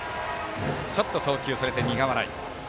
ちょっと、送球がそれて苦笑い。